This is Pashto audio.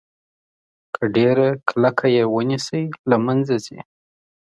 که ډیره کلکه یې ونیسئ له منځه ځي.